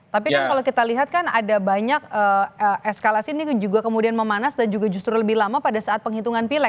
tapi kan kalau kita lihat kan ada banyak eskalasi ini juga kemudian memanas dan juga justru lebih lama pada saat penghitungan pilek